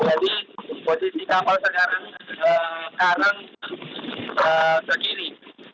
jadi posisi kapal sekarang ke kiri